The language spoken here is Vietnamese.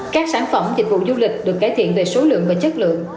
các sản phẩm dịch vụ du lịch được cải thiện về số lượng và chất lượng